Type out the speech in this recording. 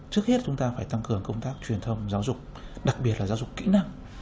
trước hết chúng ta phải tăng cường công tác truyền thông giáo dục đặc biệt là giáo dục kỹ năng